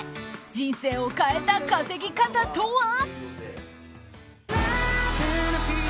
人生を変えた稼ぎ方とは？